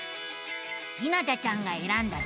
ひなたちゃんがえらんだ